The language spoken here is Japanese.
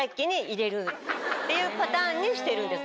っていうパターンにしてるんです。